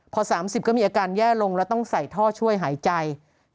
พอ๓๐ก็มีอาการแย่ลงแล้วต้องใส่ท่อช่วยหายใจ